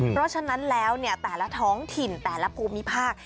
เพราะฉะนั้นแล้วแต่ละท้องถิ่นแต่ละภูมิภาค